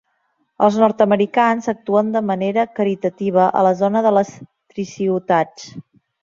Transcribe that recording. Els nord-americans actuen de manera caritativa a la zona de les Tri-ciutats.